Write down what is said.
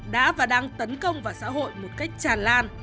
đã và đang tấn công vào xã hội một cách tràn lan